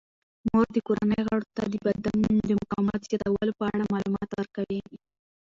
مور د کورنۍ غړو ته د بدن د مقاومت زیاتولو په اړه معلومات ورکوي.